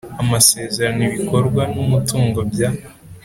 Amasezerano ibikorwa n umutungo bya